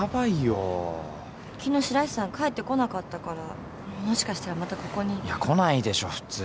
昨日白石さん帰ってこなかったからもしかしたらまたここに。いや来ないでしょ普通。